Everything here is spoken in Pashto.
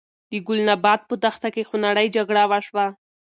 د ګلناباد په دښته کې خونړۍ جګړه وشوه.